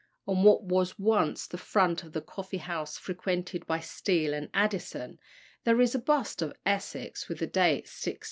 On what was once the front of the coffee house frequented by Steele and Addison, there is a bust of Essex, with the date 1676.